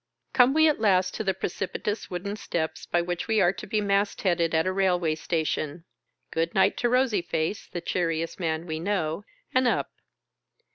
Come we at last to the precipitous wooden steps by. which we are to be mast headed at a railway station. Good night to rosy face, the cheeriest man we know, and up.